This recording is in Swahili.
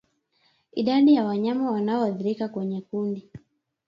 Idadi ya wanyama wanaoathirika kwenye kundi